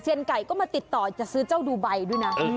เสียนไกยก็มาติดต่อจะซื้อเจ้าดูไบดูนะ